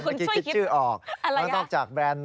เดี๋ยวคุณช่วยคิดชื่อออกนอกจากแบรนด์